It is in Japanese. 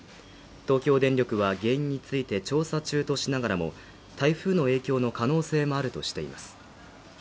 東京電力は原因について調査中としながらも台風の影響の可能性もあるとしています